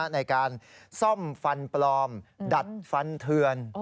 ในการซ่อมฟันปลอมดัดฟันเทือน